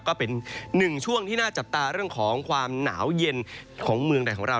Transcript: ก็เป็นหนึ่งช่วงที่น่าจับตาเรื่องของความหนาวเย็นของเมืองใดของเรา